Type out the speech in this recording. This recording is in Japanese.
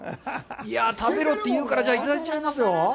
食べろって言うから、いただいちゃいますよ。